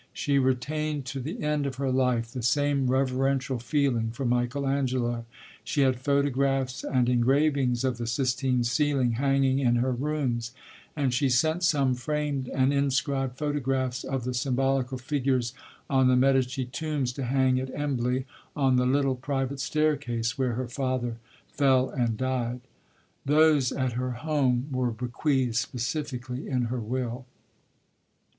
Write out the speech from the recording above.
She retained to the end of her life the same reverential feeling for Michael Angelo. She had photographs and engravings of the Sistine ceiling hanging in her rooms, and she sent some framed and inscribed photographs of the symbolical figures on the Medici tombs to hang at Embley on the little private staircase, where her father fell and died. Those at her home were bequeathed specifically in her Will.